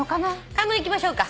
買い物いきましょうか。